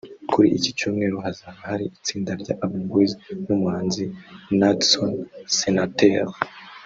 Kuri iki Cyumweru hazaba hari itsinda rya Urban Boyz n’umuhanzi Nadson Senateur